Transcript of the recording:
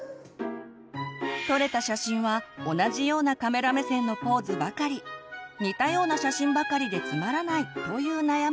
撮れた写真は同じようなカメラ目線のポーズばかり似たような写真ばかりでつまらないという悩みも。